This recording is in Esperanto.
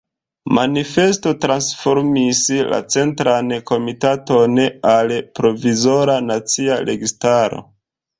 Manifesto transformis la Centran Komitaton al Provizora Nacia Registaro.